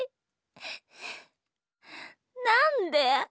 なんで？